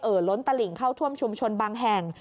เอ่อล้นตะหลิงเข้าท่วมชุมชนบางแห่ง